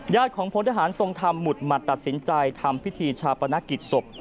ของพลทหารทรงธรรมหมุดหมัดตัดสินใจทำพิธีชาปนกิจศพ